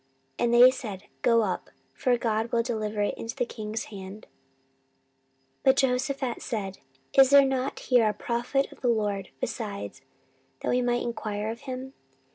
And they said, Go up; for God will deliver it into the king's hand. 14:018:006 But Jehoshaphat said, Is there not here a prophet of the LORD besides, that we might enquire of him?